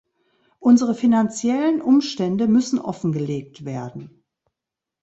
Unsere finanziellen Umstände müssen offengelegt werden.